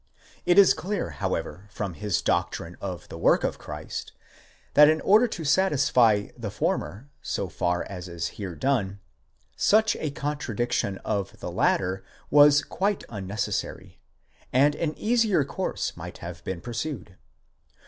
It is clear, however, from his doctrine of the work of Christ, that in order to satisfy the former so far as is. here done, such a contradiction of the latter was quite unnecessary, and an easier course might have been pursued.